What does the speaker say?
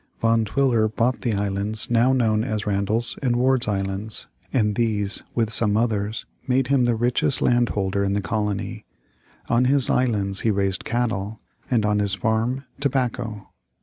] Van Twiller bought the islands now known as Randall's and Ward's Islands, and these, with some others, made him the richest landholder in the colony. On his islands he raised cattle, and on his farm tobacco.